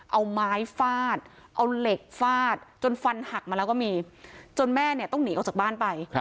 เอาไม้ฟาดเอาเหล็กฟาดจนฟันหักมาแล้วก็มีจนแม่เนี่ยต้องหนีออกจากบ้านไป